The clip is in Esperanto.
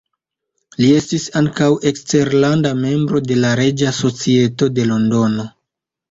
Li estis ankaŭ eskterlanda membro de la Reĝa Societo de Londono.